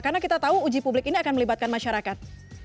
karena kita tahu uji publik ini akan melibatkan masyarakat